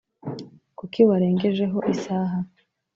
kuki warengejeho isaha